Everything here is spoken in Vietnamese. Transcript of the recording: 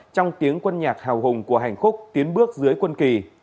trong tiếng quân nhạc hào hùng của hành khúc tiến bước dưới quân kỳ